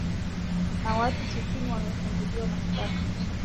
na watu sitini wamefunguliwa mashtaka